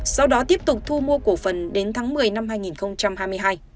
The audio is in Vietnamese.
sau đó tiếp tục thu mua cổ phần đến tháng một mươi năm hai nghìn hai mươi hai